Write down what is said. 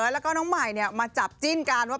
แล้วก็น้องใหม่มาจับจิ้นกันว่า